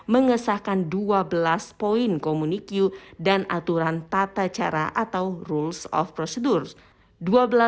mengesahkan dua belas poin komunikasi dan aturan tata cara atau rules of procedure